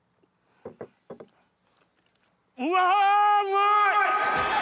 うわうまい！